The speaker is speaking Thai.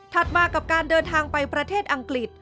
มากับการเดินทางไปประเทศอังกฤษ